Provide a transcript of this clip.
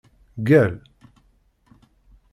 Gall!